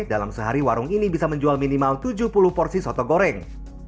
dalam sehari warung ini bisa menjual minimal tujuh puluh porsi soto goreng